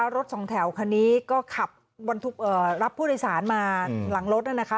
รถสองแถวคันนี้ก็ขับรับผู้โดยสารมาหลังรถน่ะนะคะ